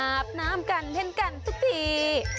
อาบน้ำกันเช่นกันทุกที